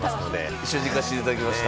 一緒に行かせていただきました。